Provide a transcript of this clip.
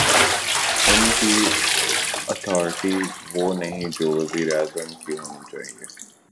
ان کی اتھارٹی وہ نہیں جو وزیر اعظم کی ہونی چاہیے۔